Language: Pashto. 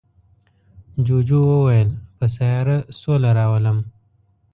جوجو وویل په سیاره سوله راولم.